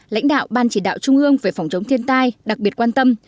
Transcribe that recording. lãnh đạo ban chỉ đạo trung ương về phòng chống thiên tai đặc biệt quan tâm